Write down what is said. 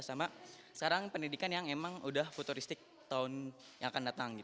sama sekarang pendidikan yang emang udah futuristik tahun yang akan datang